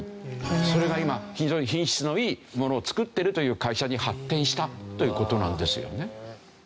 それが今非常に品質のいいものを作ってるという会社に発展したという事なんですよね。